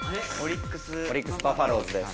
オリックス・バファローズです。